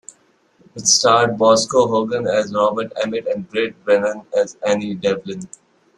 It starred Bosco Hogan as Robert Emmet and Brid Brennan as Anne Devlin.